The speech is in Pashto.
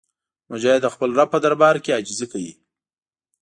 مجاهد د خپل رب په دربار کې عاجزي کوي.